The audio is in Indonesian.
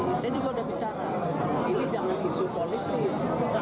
saya juga sudah bicara ini jangan isu politis